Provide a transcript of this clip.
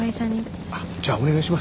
あっじゃあお願いします。